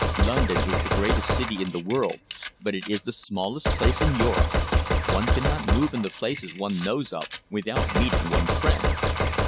London is the greatest city in the world, but it is the smallest place in Europe. One cannot move in the places one knows of without meeting one's friends."